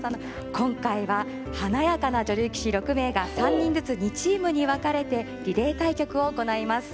今回は華やかな女流棋士６名が３人ずつ２チームに分かれてリレー対局を行います。